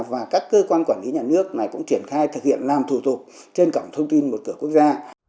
và các cơ quan quản lý nhà nước này cũng triển khai thực hiện làm thủ tục trên cổng thông tin một cửa quốc gia